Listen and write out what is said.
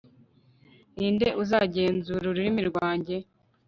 ni nde uzagenzura ururimi rwanjye